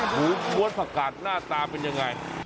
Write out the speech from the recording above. หมูก้วนผักกาดหน้าตาเป็นยังไง